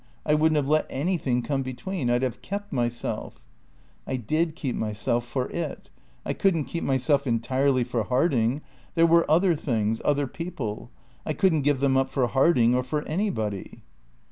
I wouldn't have let anything come between. I'd have kept myself ..." "I did keep myself for it. I couldn't keep myself entirely for Harding; there were other things, other people. I couldn't give them up for Harding or for anybody."